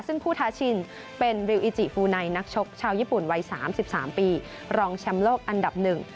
ซึ่งผู้ท้าชิงเป็นริวอิจิฟูไนนักชกชาวญี่ปุ่นวัย๓๓ปีรองแชมป์โลกอันดับหนึ่ง